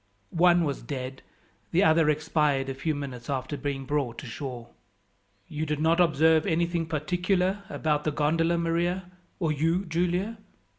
One was dead; the other expired a few minutes after being brought ashore. "You did not observe anything particular about the gondola, Maria, or you, Giulia?"